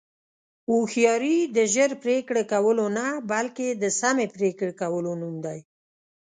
هوښیاري د ژر پرېکړې کولو نه، بلکې د سمې پرېکړې کولو نوم دی.